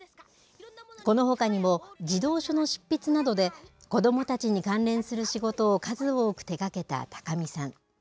このほかにも、児童書の執筆などで、子どもたちに関連する仕事を数多く手がけた高見さん。